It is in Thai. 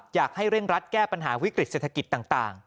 อยากให้เร่งรัดแก้ปัญหาวิกฤตเศรษฐกิจต่าง